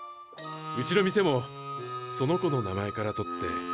うちの店もその子の名前から取って。